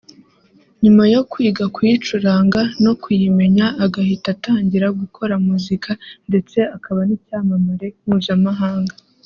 nyuma yo kwiga kuyicuranga no kuyimenya agahita atangira gukora muzika ndetse akaba n’icyamamare mpuzamahanga